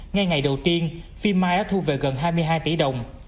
ngay ngày đầu tiên phim mai đã thu về gần hai mươi hai tỷ đồng